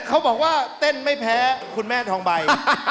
เขาบอกว่าเต้นไม่แพ้คุณแม่ทองใบ